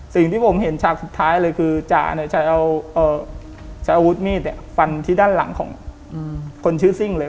สิ่งที่ผมเห็นฉากสุดท้ายเลยคือจ่าเนี่ยใช้เอาใช้อาวุธมีดฟันที่ด้านหลังของคนชื่อซิ่งเลย